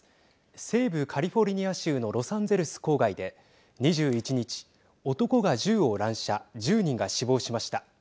西部カリフォルニア州のロサンゼルス郊外で２１日、男が銃を乱射１０人が死亡しました。